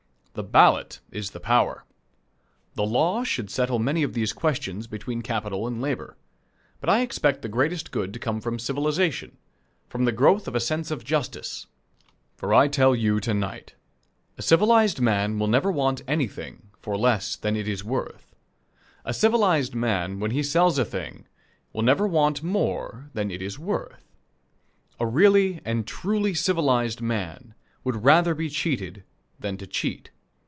The ballot is the power. The law should settle many of these questions between capital and labor. But I expect the greatest good to come from civilization, from the growth of a sense of justice; for I tell you to night, a civilized man will never want anything for less than it is worth a civilized man, when he sells a thing, will never want more than it is worth a really and truly civilized man, would rather be cheated than to cheat.